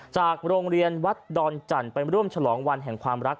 จากโรงเรียนวัดดอนจันทร์ไปร่วมฉลองวันแห่งความรัก